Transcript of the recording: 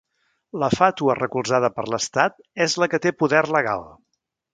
La fàtua recolzada per l'Estat és la que té poder legal.